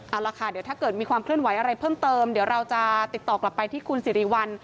เอาล่ะค่ะเดี๋ยวถ้าเกิดมีความเคลื่อนไหวอะไรเพิ่มเติมเดี๋ยวเราจะติดต่อกลับไปที่คุณสิริวัล